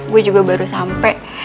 gue juga baru sampe